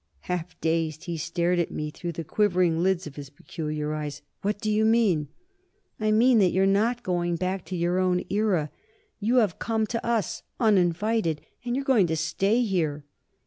Half dazed, he stared at me through the quivering lids of his peculiar eyes. "What do you mean?" "I mean that you're not going back to your own era. You have come to us, uninvited, and you're going to stay here."